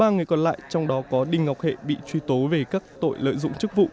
ba người còn lại trong đó có đinh ngọc hệ bị truy tố về các tội lợi dụng chức vụ